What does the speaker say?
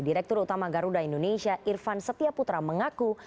direktur utama garuda indonesia irvan setiaputra mengaku